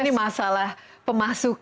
dan juga papua adalah daerah yang sangat sulit